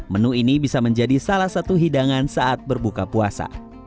menu ini bisa menjadi salah satu hidangan saat berbuka puasa